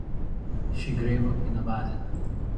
She grew up in Ibadan.